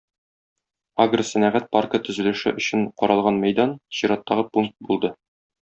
Агросәнәгать паркы төзелеше өчен каралган мәйдан - чираттагы пункт булды.